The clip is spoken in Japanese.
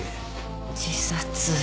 自殺。